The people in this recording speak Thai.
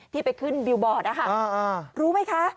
ที่ไปขึ้นบิลบอร์ดรู้ไหมคะ